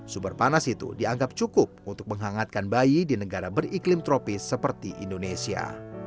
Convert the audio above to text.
sumber panas itu dianggap cukup untuk menghangatkan bayi di negara beriklim tropis seperti indonesia